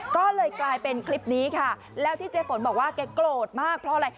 ก็เลยกลายเป็นคลิปนี้ค่ะแล้วที่เจ๊ฝนบอกว่าแกโกรธมากเพราะอะไร